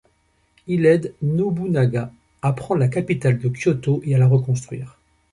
Il aide Nobunaga à prendre la capitale de Kyoto et à la reconstruire.